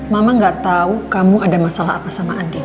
mama gak tau kamu ada masalah apa sama andin